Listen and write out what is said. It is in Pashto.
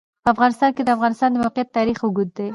په افغانستان کې د د افغانستان د موقعیت تاریخ اوږد دی.